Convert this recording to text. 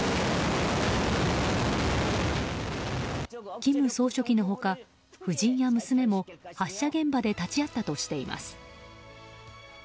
金総書記の他、夫人や娘も発射現場で立ち会ったとしています。